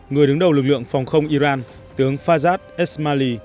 người đứng đầu lực lượng phòng không iran tướng fajat esmali